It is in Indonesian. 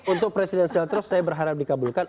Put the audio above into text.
untuk presidensial thres saya berharap dikabulkan